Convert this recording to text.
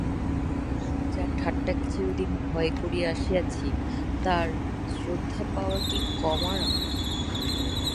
যার ঠাট্টাকে চিরদিন ভয় করিয়া আসিয়াছি, তার শ্রদ্ধা পাওয়া কি কম আরাম!